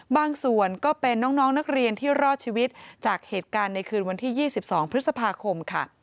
ส่วนก็เป็นน้องนักเรียนที่รอดชีวิตจากเหตุการณ์ในคืนวันที่๒๒พฤษภาคมค่ะ